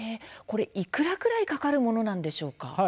これ、いくらくらいかかるものなんでしょうか？